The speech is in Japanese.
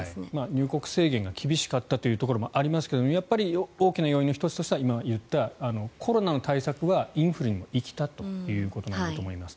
入国制限が厳しかったというところもありますがやっぱり大きな要因の１つとしては今、言ったコロナの対策がインフルにも生きたということなんだと思います。